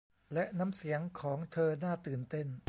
และน้ำเสียงของเธอน่าตื่นเต้น